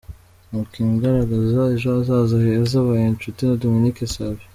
Umukinnyi ugaragaza ejo hazaza heza abaye Nshuti Dominique Savio.